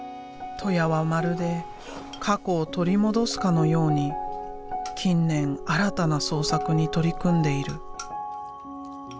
戸谷はまるで過去を取り戻すかのように近年新たな創作に取り組んでいる。